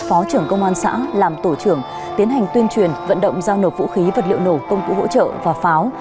phó trưởng công an xã làm tổ trưởng tiến hành tuyên truyền vận động giao nộp vũ khí vật liệu nổ công cụ hỗ trợ và pháo